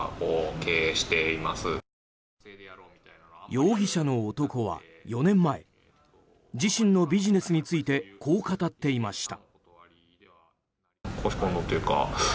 容疑者の男は４年前、自身のビジネスについてこう語っていました。